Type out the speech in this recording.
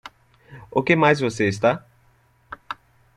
O que mais você está?